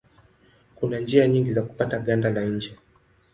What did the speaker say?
Kuna njia nyingi za kupata ganda la nje.